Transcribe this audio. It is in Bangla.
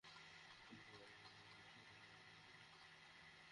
কিন্তু, এগুলো এখানে কীভাবে টিকে আছে সেটাই তো মাথায় খেলছে না!